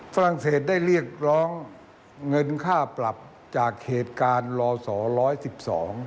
ฝรั่งเศสได้เรียกร้องเงินค่าปรับจากเหตุการณ์ลอส๑๑๒